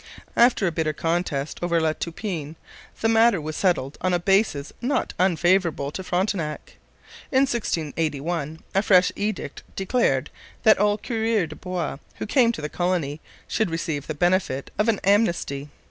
After a bitter contest over La Toupine the matter was settled on a basis not unfavourable to Frontenac. In 1681 a fresh edict declared that all coureurs de bois who came back to the colony should receive the benefit of an amnesty.